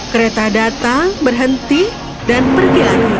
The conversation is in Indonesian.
kereta datang berhenti dan pergi lagi